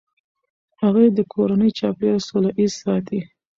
هغې د کورني چاپیریال سوله ایز ساتي.